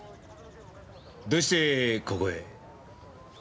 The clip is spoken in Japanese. どうしてここへ？